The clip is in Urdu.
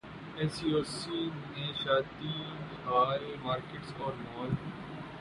این سی او سی نے شادی ہال، مارکیٹس اور مال